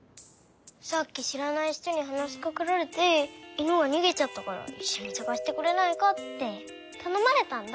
さっきしらない人にはなしかけられて「いぬがにげちゃったからいっしょにさがしてくれないか」ってたのまれたんだ。